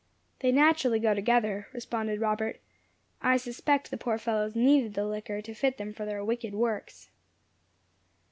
"They naturally go together," responded Robert. "I suspect the poor fellows needed the liquor to fit them for their wicked works."